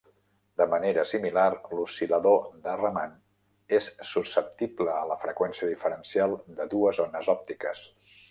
De manera similar, l'oscil·lador de Raman és susceptible a la freqüència diferencial de dues ones òptiques.